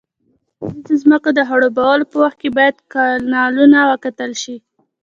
د کرنیزو ځمکو د خړوبولو په وخت کې باید کانالونه وکتل شي.